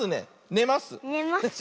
ねます。